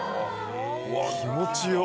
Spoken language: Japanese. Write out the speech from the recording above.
気持ちよっ。